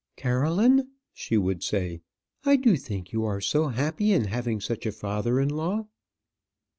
"Caroline," she would say, "I do think you are so happy in having such a father in law."